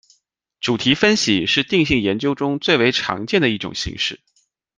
主题分析是定性研究中最为常见的一种形式。